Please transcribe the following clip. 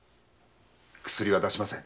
薬は出しません。